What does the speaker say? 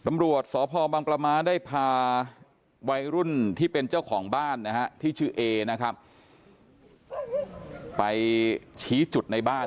อาทิตย์เขาว่ากฎคิดว่าอย่างนี้ทุกคนมากว่าควรนะครับ